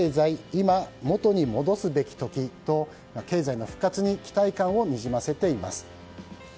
今、元に戻すべき時と経済の復活に期待感をにじませています。